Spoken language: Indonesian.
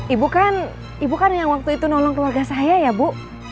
ibu kan ibu kan yang waktu itu nolong keluarga saya ya bu